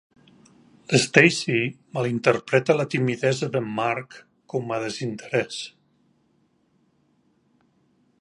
L'Stacy malinterpreta la timidesa d'en Mark com a desinterès.